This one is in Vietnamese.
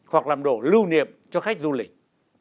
hoặc làm đồ lưu niệm cho khách du lịch